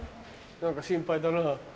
何か心配だなぁ。